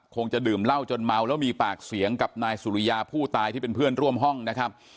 คงจะดื่มเหล้าจนเมาแล้วมีปากเสียงกับนายสุริยาผู้ตายที่เป็นเพื่อนร่วมห้องนะครับ